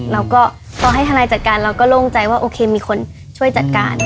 แล้วก็พอให้ทนายจัดการเราก็โล่งใจว่าโอเคมีคนช่วยจัดการ